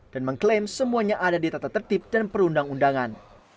dan mengklaim semuanya ada di tata tertib dan perundang undangan